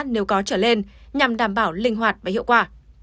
nếu có trở lên nhằm đảm bảo linh hoạt và hiệu quả